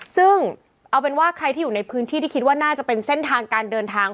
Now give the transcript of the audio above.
ซึ่งเอาเป็นว่าใครที่อยู่ในพื้นที่ที่คิดว่าน่าจะเป็นเส้นทางการเดินทาง